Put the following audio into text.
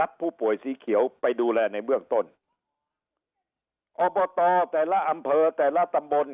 ผู้ป่วยสีเขียวไปดูแลในเบื้องต้นอบตแต่ละอำเภอแต่ละตำบล